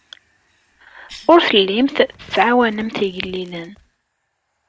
Ur tellimt tettɛawanemt igellilen.